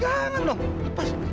jangan dong lepas